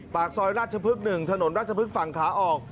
ปากซอยราชพฤกษ์๑ถนนราชพฤกษ์ฝั่งขาออก